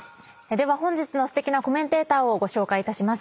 では本日のすてきなコメンテーターをご紹介いたします。